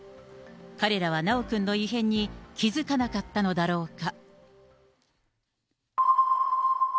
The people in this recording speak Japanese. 彼らは修くんの異変に気付かなかったのだろうか。